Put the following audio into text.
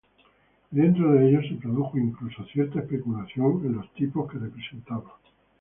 Y, dentro de ellos, se produjo incluso cierta especialización en los tipos que representaban.